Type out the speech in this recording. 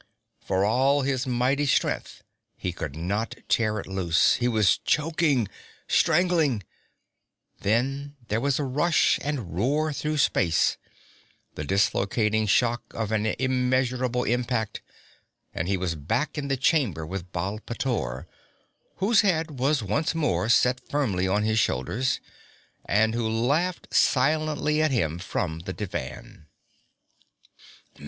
For all his mighty strength he could not tear it loose he was choking strangling; then there was a rush and roar through space, the dislocating shock of an immeasurable impact, and he was back in the chamber with Baal pteor, whose head was once more set firmly on his shoulders, and who laughed silently at him from the divan.